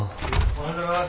・おはようございます。